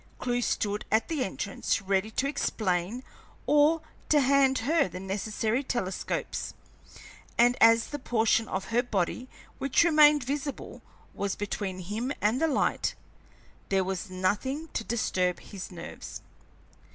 Clewe stood at the entrance ready to explain or to hand her the necessary telescopes; and as the portion of her body which remained visible was between him and the light, there was nothing to disturb his nerves.